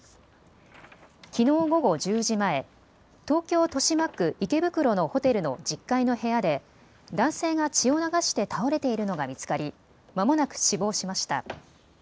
きのう午後１０時前、東京豊島区池袋のホテルの１０階の部屋で男性が血を流して倒れているのが見つかり、まもなく死亡しました。